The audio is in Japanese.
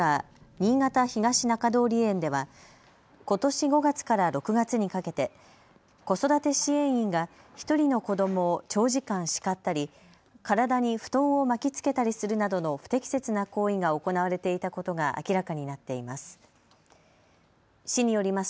新潟東中通園ではことし５月から６月にかけて子育て支援員が１人の子どもを長時間叱ったり体に布団を巻きつけたりするなどの不適切な行為が行われていたことが明らかになっています。